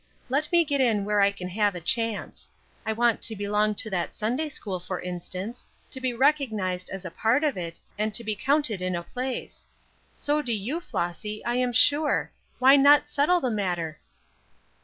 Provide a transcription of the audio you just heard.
Let me get in where I can have a chance. I want to belong to that Sunday school, for instance; to be recognized as a part of it, and to be counted in a place. So do you, Flossy, I am sure; why not settle the matter?"